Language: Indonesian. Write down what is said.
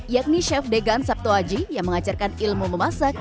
yakni chef degan sabtoaji yang mengajarkan ilmu memasak